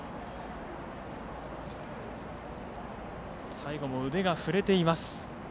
最後も腕が振れています。